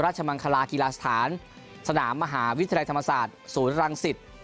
มังคลากีฬาสถานสนามมหาวิทยาลัยธรรมศาสตร์ศูนย์รังสิต